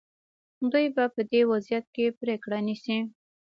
دوی به په دې وضعیت کې پرېکړه نیسي.